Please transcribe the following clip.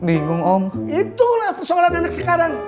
itu lah persoalan anak sekarang